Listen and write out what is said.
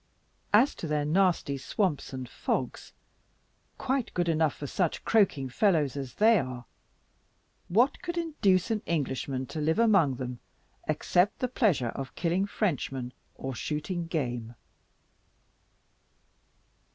As to their nasty swamps and fogs, quite good enough for such croaking fellows as they are, what could induce an Englishman to live among them, except the pleasure of killing Frenchmen, or shooting game?